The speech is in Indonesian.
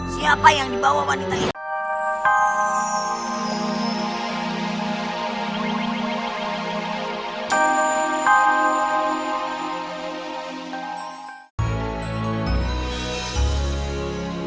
siapa yang dibawa wanita ini